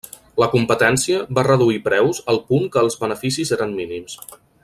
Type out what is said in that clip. La competència va reduir preus al punt que els beneficis eren mínims.